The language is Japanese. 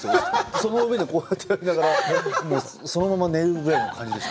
その上でこうやってやりながらそのまま寝るぐらいの感じでした。